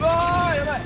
やばい！